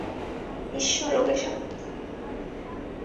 ঈশ্বর ওকে শাস্তি দাও!